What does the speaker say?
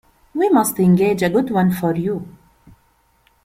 We must engage a good one for you.